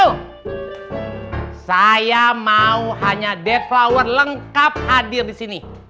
pak aniko saya mau hanya death flower lengkap hadir di sini